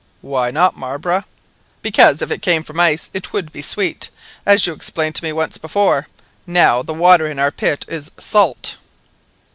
"Why not, Marbre?" "Because if it came from ice it would be sweet, as you explained to me once before. Now the water in our pit is salt!"